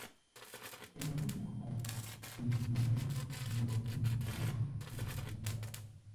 En los últimos años, el descubrimiento de los hidrocarburos del Camisea.